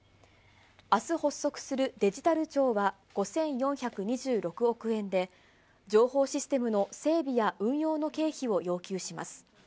あす発足するデジタル庁は、５４２６億円で、情報システムの整備や運用の経費を要求します。